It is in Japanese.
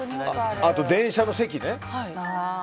あと、電車の席ね。